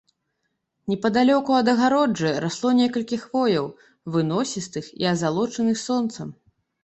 Непадалёку ад агароджы расло некалькі хвояў, выносістых і азалочаных сонцам.